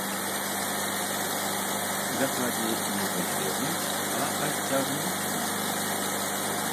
Дакладней, не пазбегнуць, а адцягнуць іх.